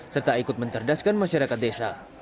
serta ikut mencerdaskan masyarakat desa